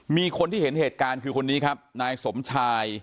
มีคนที่เห็นเหตุการณ์คือคนนี้ครับนายสมชาย